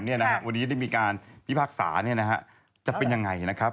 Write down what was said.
วันนี้ได้มีการพิพากษาจะเป็นยังไงนะครับ